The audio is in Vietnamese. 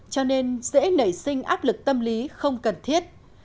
cho nên dễ nảy sinh áp lực tâm lý không cần thiết